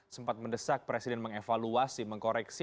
sempat mendesak presiden mengevaluasi mengkoreksi